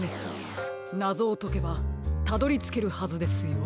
なぞをとけばたどりつけるはずですよ。